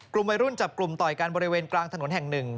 กลุ่มวัยรุ่นจับกลุ่มต่อยกันบริเวณกลางถนนแห่งหนึ่ง